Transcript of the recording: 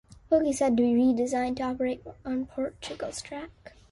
The bogies had to be redesigned to operate on Portugal's track.